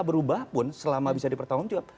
berubah pun selama bisa dipertanggung jawab